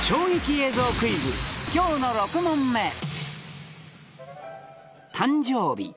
今日の６問目誕生日